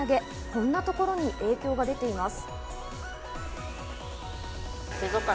こんなところに影響が出ています。